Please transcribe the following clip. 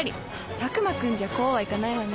佐久間君じゃこうは行かないわね。